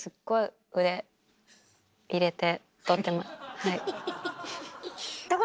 はい。